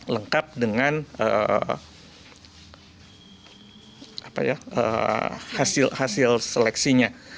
lengkap dengan hasil seleksinya